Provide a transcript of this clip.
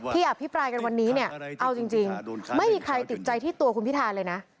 อภิปรายกันวันนี้เนี่ยเอาจริงไม่มีใครติดใจที่ตัวคุณพิธาเลยนะ